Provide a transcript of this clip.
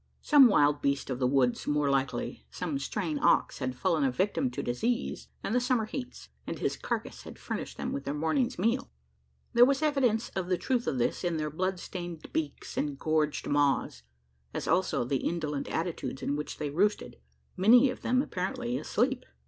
Some wild beast of the woods more likely, some straying ox had fallen a victim to disease and the summer heats; and his carcase had furnished them with their morning's meal? There was evidence of the truth of this, in their blood stained beaks and gorged maws, as also the indolent attitudes in which they roosted many of them apparently asleep!